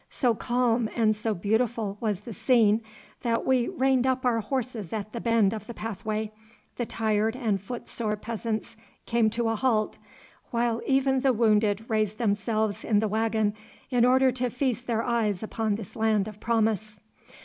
So calm and so beautiful was the scene that we reined up our horses at the bend of the pathway, the tired and footsore peasants came to a halt, while even the wounded raised themselves in the waggon in order to feast their eyes upon this land of promise.